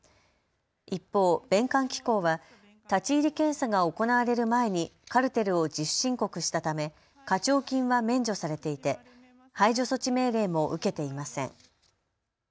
一方、ベンカン機工は立ち入り検査が行われる前にカルテルを自主申告したため課徴金は免除されていて排除措置命令も受けていません。